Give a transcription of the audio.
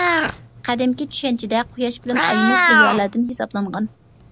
قەدىمكى چۈشەنچىدە، قۇياش بىلەن ئايمۇ سەييارىلەردىن ھېسابلانغان.